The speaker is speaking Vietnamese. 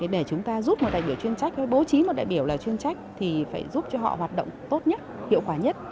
để chúng ta giúp một đại biểu chuyên trách bố trí một đại biểu là chuyên trách thì phải giúp cho họ hoạt động tốt nhất hiệu quả nhất